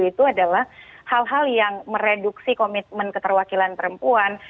itu adalah hal hal yang mereduksi komitmen keterwakilan perempuan